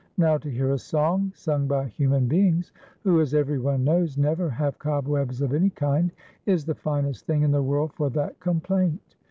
Now, to hear a song sung by human beings, who, as every one knows, never have cobwebs of an}' kind, is the finest thing in the world for that complaint.